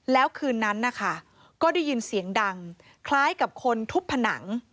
แล้วคืนนั้นนะคะก็ได้ยินเสียงดังคล้ายกับคนทุบผนัง